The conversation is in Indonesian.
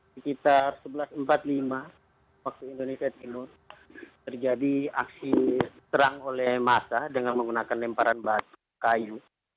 sekitar sebelas empat puluh lima waktu indonesia timur terjadi aksi terang oleh masa dengan menggunakan lemparan batu kayu